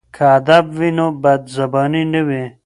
که ادب وي نو بدزباني نه وي.